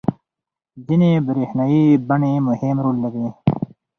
ځینې برېښنايي بڼې مهم رول لري.